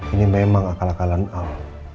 ini memang akal akalan out